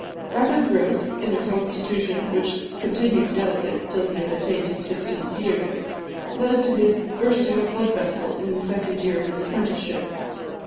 Rapid growth in a constitution which continued delicate till he had attained his fifteenth year, led to his bursting a blood vessel in the second year of his apprenticeship.